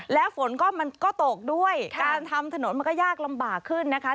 แล้วฝนก็มันก็ตกด้วยการทำถนนมันก็ยากลำบากขึ้นนะคะ